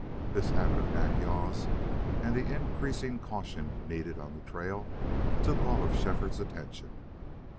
This habit of Nack yal's and the increasing caution needed on the trail took all of Shefford's attention.